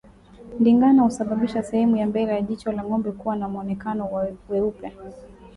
Ndigana husababisha sehemu ya mbele ya jicho la ngombe kuwa na mwonekano wa weupe